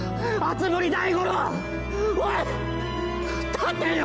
立てよ！